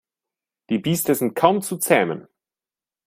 Die Biester sind kaum zu zähmen.